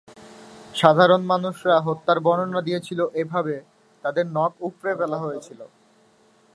সাধারণ মানুষরা হত্যার বর্ণনা দিয়েছিল এভাবে, তাদের নখ উপড়ে ফেলা হয়েছিল।